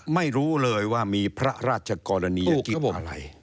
ไม่รู้เลยว่ามีพระราชกรณียกิจอะไร